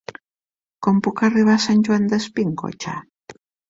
Com puc arribar a Sant Joan Despí amb cotxe?